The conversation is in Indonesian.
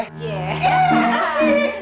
iya yaudah yaudah